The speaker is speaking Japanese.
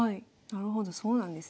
なるほどそうなんですね。